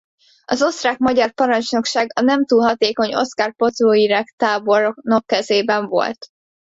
Az osztrák-magyar parancsnokság a nem túl hatékony Oskar Potiorek tábornok kezében volt.